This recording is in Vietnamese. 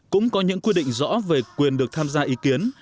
cũng có những quy định rõ về quyền được tham gia ý kiến